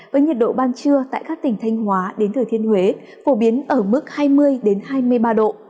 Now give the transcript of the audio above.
với nhiệt độ ban trưa tại các tỉnh thanh hóa đến thừa thiên huế phổ biến ở mức hai mươi hai mươi ba độ